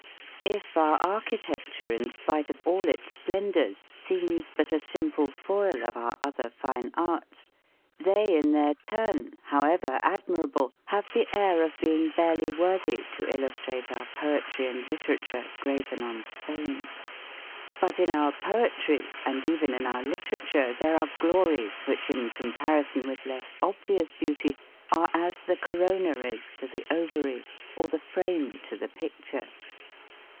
If our architecture in spite of all its splendours seems but a simple foil of our other fine arts, they in their turn, however admirable, have the air of being barely worthy to illustrate our poetry and literature graven on stone. But in our poetry and even in our literature there are glories which in comparison with less obvious beauty are as the corona is to the ovary, or the frame to the picture.